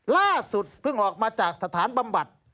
ล่าสุดเพิ่งออกมาจากสถานบำบัด